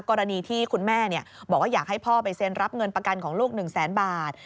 กรณีที่คุณแม่บอกว่าอยากให้พ่อไปเซ็นรับเงินประกันของลูก๑แสนบาท